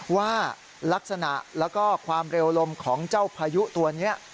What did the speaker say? ว่าลักษณะแล้วก็ความเร็วลมของเจ้าพายุตัวนี้